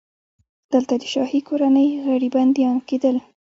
دلته د شاهي کورنۍ غړي بندیان کېدل.